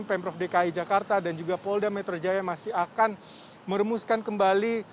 pemprov dki jakarta dan juga polda metro jaya masih akan meremuskan kembali